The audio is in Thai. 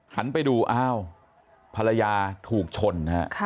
หันไปดูอ้าวภรรยาถูกชนนะฮะ